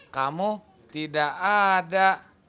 kamu tidak ada